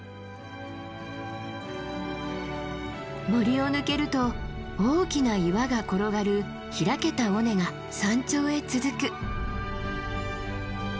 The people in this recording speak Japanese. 森を抜けると大きな岩が転がる開けた尾根が山頂へ続く。